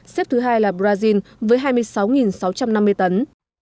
xếp thứ hai là brazil với hai mươi sáu sáu trăm năm mươi tấn